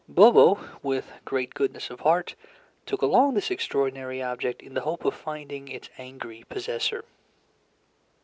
Bobo, with great goodness of heart, took along this extraordinary object, in the hope of finding its angry possessor.